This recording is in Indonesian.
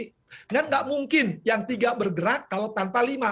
kan nggak mungkin yang tiga bergerak kalau tanpa lima